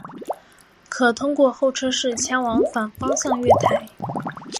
可通过候车室前往反方向月台。